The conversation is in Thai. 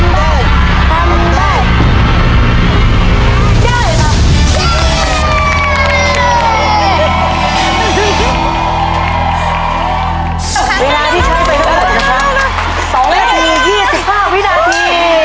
๕วินาที